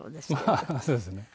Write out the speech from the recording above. まあそうですね。